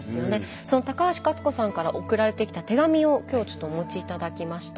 その高橋勝子さんから送られてきた手紙を今日ちょっとお持ち頂きました。